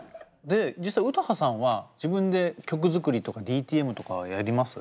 で実際詩羽さんは自分で曲作りとかＤＴＭとかはやります？